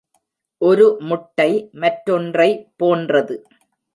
ஒரு முட்டை மற்றொன்றை போன்றது.